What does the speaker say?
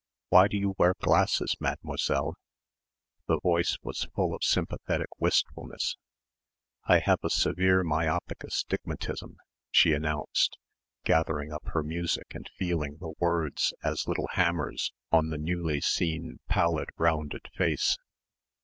"Why do you wear glasses, mademoiselle?" The voice was full of sympathetic wistfulness. "I have a severe myopic astigmatism," she announced, gathering up her music and feeling the words as little hammers on the newly seen, pallid, rounded face.